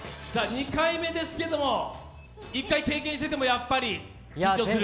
２回目ですけども、１回経験しててもやっぱり緊張する？